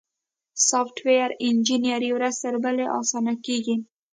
سافټویر انجینري ورځ تر بلې اسانه کیږي.